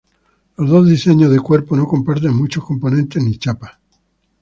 Los dos diseños de cuerpo no comparten muchos componentes ni chapa.